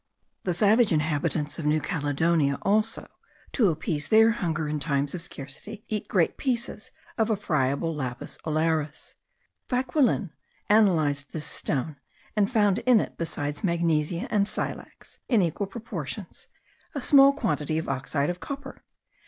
The savage inhabitants of New Caledonia also, to appease their hunger in times of scarcity, eat great pieces of a friable Lapis ollaris. Vauquelin analysed this stone, and found in it, beside magnesia and silex in equal portions, a small quantity of oxide of copper. M.